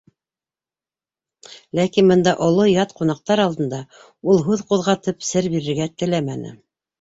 Ләкин бында оло, ят ҡунаҡтар алдында ул, һүҙ ҡуҙғатып, сер бирергә теләмәне.